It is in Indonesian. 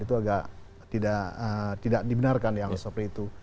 itu agak tidak dibenarkan yang seperti itu